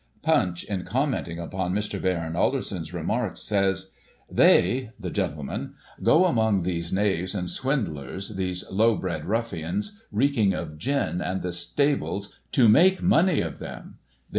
Punchy in commenting upon Mr. Baron Alderson*s remarks, says :" They " (the gentlemen) " go among these knaves and swindlers, these low bred ruffians, reeking of gin and the stables, to make money of them.